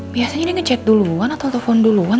biasanya dia ngechat duluan atau telfon duluan